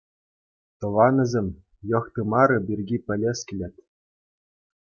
Тӑванӗсем, йӑх-тымарӗ пирки пӗлес килет.